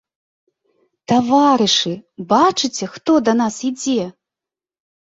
Таварышы, бачыце, хто да нас ідзе?